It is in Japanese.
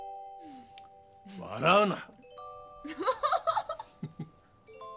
笑うな。